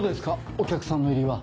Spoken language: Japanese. お客さんの入りは。